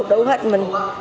đủ hết mình